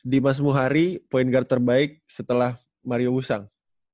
dimas muhari point guard terbaik setelah mario busang